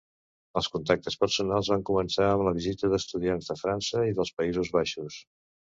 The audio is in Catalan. Els contactes personals van començar amb la visita d'estudiants de França i dels Països Baixos.